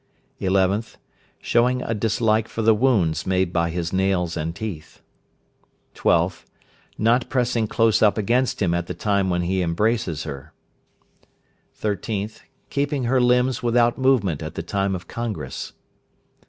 11th. Showing a dislike for the wounds made by his nails and teeth. 12th. Not pressing close up against him at the time when he embraces her. 13th. Keeping her limbs without movement at the time of congress.